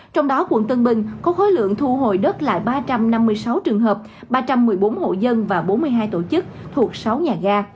trong đó quận tân bình có khối lượng thu hồi đất là ba trăm năm mươi sáu trường hợp ba trăm một mươi bốn hộ dân và bốn mươi hai tổ chức thuộc sáu nhà ga